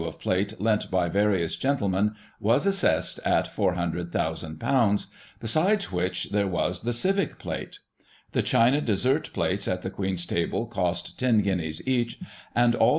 21 plate lent by various gentlemen was assessed at ;6^400,ooo,\ besides which there was the Civic plate. The china dessert plates at the Queen's table cost 10 guineas each, and all the J.